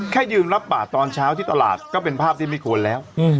แค่ยืนรับบาทตอนเช้าที่ตลาดก็เป็นภาพที่ไม่ควรแล้ว